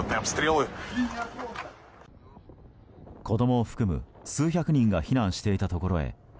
子供を含む数百人が避難していたところへ